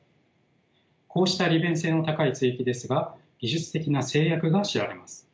こうした利便性の高い接ぎ木ですが技術的な制約が知られます。